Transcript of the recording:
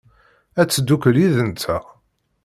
Ad teddukel yid-nteɣ?